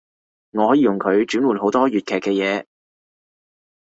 我可以用佢轉換好多粵劇嘅嘢